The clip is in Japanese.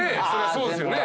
そうですね